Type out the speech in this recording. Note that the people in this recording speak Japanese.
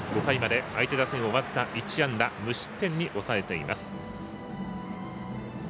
５回まで相手打線を僅か１安打無失点に抑えています。